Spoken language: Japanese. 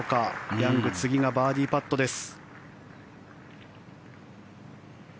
ヤング次がバーディーパットです。